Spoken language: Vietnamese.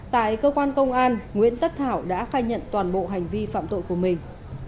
tại cơ quan công an nguyễn tất thảo đã khai nhận toàn bộ hành vi phạm tội của mình